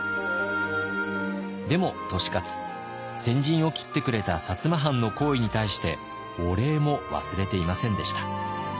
でも利勝先陣を切ってくれた摩藩の厚意に対してお礼も忘れていませんでした。